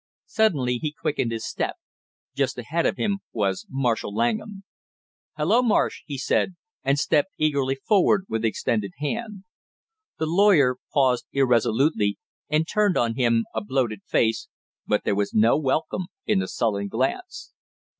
Suddenly he quickened his step; just ahead of him was Marshall Langham. "Hello, Marsh!" he said, and stepped eagerly forward with extended hand. The lawyer paused irresolutely and turned on him a bloated face, but there was no welcome in the sullen glance.